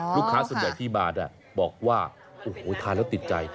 ลูกค้าส่วนใหญ่ที่มาบอกว่าโอ้โหทานแล้วติดใจ